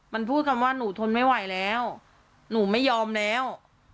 มันพูดคำว่าหนูทนไม่ไหวแล้วหนูไม่ยอมแล้ว